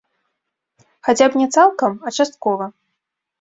Хаця б не цалкам, а часткова.